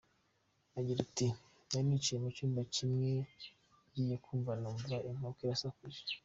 Agira ati “Nari nicaye mu cyumba kimwe, ngiye kumva numva inkoko irasakuje.